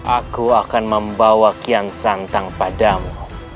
aku akan membawa kian santang padamu